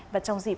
và trong dịp